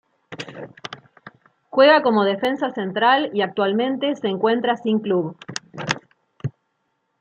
Juega como Defensa Central y actualmente se encuentra sin club.